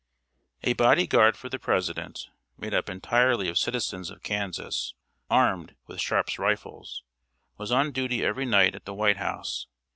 ] A body guard for the President, made up entirely of citizens of Kansas, armed with Sharp's rifles, was on duty every night at the White House.